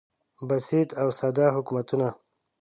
بسیط او ساده حکومتونه